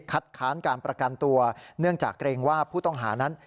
ค้านการประกันตัวเนื่องจากเกรงว่าผู้ต้องหานั้น